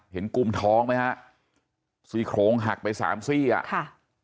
เห็นกุมท้องไหมฮะซี่โขงหักไป๓ซี่อ่ะ